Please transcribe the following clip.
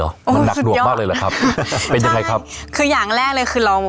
มันหนักหนวกมากเลยเหรอครับเป็นยังไงครับคืออย่างแรกเลยคือเรา